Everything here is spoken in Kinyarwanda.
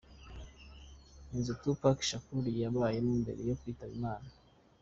Inzu Tupac Shakur yabayemo mbere yo kwitaba Imana.